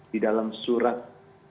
di dalam surat